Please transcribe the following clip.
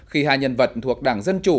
khi hai nhân vật thuộc đảng dân chủ